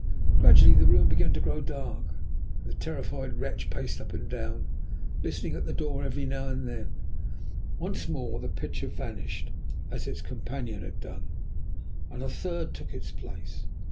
Gradually the room began to grow dark, and the terrified wretch paced restlessly up and down, listening at the door every now and then. Once more the picture vanished as its companion had done, and a third took its place.